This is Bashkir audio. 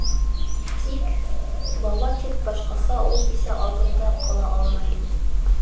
Тик... бала тип башҡаса ул бисә алдында ҡала алмай ине.